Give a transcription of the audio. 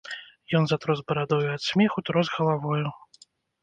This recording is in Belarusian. Ён затрос барадою ад смеху, трос галавою.